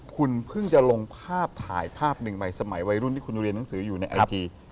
คุณเพิ่งจะลงภาพถ่ายภาพหนึ่งใหม่สมัยวัยรุ่นที่คุณเรียนหนังสืออยู่ในไอจี